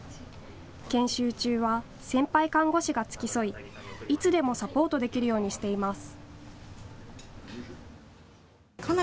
研修中は先輩看護師が付き添いいつでもサポートできるようにしています。